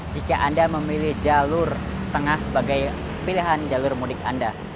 jika anda memilih jalur tengah sebagai pilihan jalur mudik anda